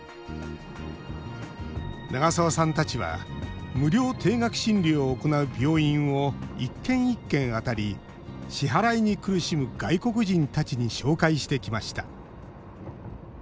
長澤さんたちは無料低額診療を行う病院を一軒一軒あたり支払いに苦しむ外国人たちに紹介してきました。